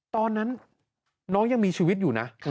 ตอนนั้นน้องยังมีชีวิตอยู่นะ